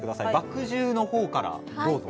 「麦汁」のほうからどうぞ。